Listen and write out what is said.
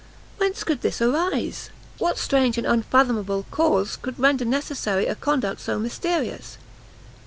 Whence could this arise? what strange and unfathomable cause could render necessary a conduct so mysterious?